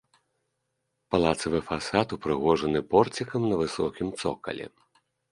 Палацавы фасад упрыгожаны порцікам на высокім цокалі.